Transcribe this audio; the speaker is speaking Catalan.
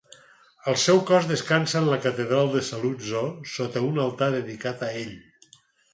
El seu cos descansa en la Catedral de Saluzzo, sota un altar dedicat a ell.